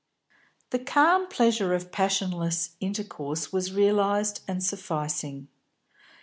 The calm pleasure of passionless intercourse was realised and sufficing.